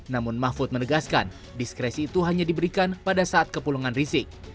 namun mahfud menegaskan diskresi itu hanya diberikan pada saat kepulungan rizik